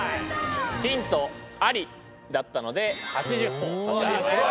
ヒントありだったので８０ほぉを差し上げましょう。